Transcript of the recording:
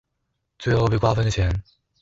最後被瓜分的錢